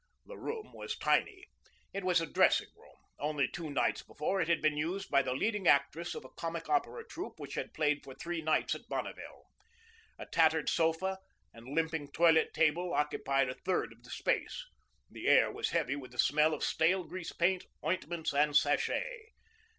The room was tiny. It was a dressing room. Only two nights before it had been used by the leading actress of a comic opera troupe which had played for three nights at Bonneville. A tattered sofa and limping toilet table occupied a third of the space. The air was heavy with the smell of stale grease paint, ointments, and sachet.